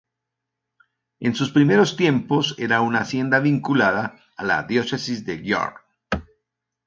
En sus primeros tiempos era una hacienda vinculada a la diócesis de Győr.